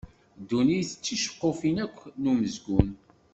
Dunnit d ticeqqufin akk n umezgun.